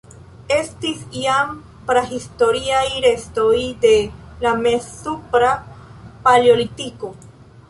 Estis jam prahistoriaj restoj de la mez-supra Paleolitiko.